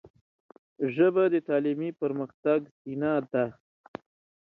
ژبه د تعلیمي پرمختګ زینه ده